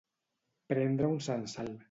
Prendre un censal.